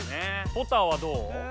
ポタはどう？